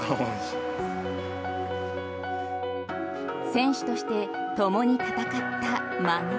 選手としてともに戦った孫。